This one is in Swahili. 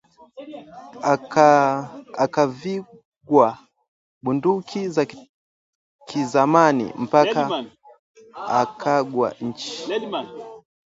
Akavigwa bunduki za kizamani mpaka akagwa chi